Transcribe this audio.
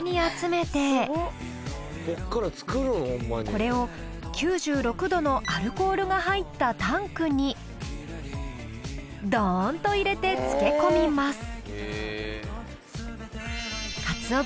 これを９６度のアルコールが入ったタンクにドーンと入れて漬け込みます。